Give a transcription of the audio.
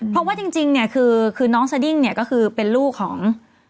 เพราะว่าจริงเนี่ยคือน้องสดิ้งเนี่ยก็คือเป็นลูกของ